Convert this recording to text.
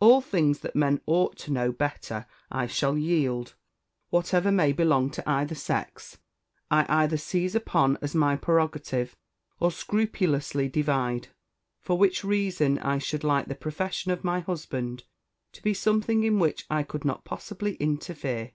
All things that men ought to know better I shall yield; whatever may belong to either sex, I either seize upon as my prerogative, or scrupulously divide; for which reason I should like the profession of my husband to be something in which I could not possibly interfere.